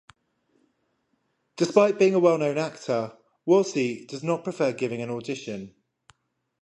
Despite being a well known actor, Warsi does not prefer giving an audition.